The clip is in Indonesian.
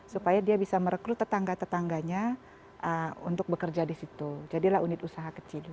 supaya dia bisa merekrut tetangga tetangganya untuk bekerja di situ jadilah unit usaha kecil